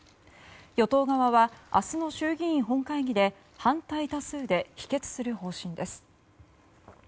与党側は、明日の衆議院本会議で反対多数で否決する方針です。